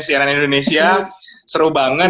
siaran indonesia seru banget